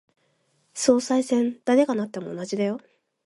総裁選、誰がなっても同じだよ。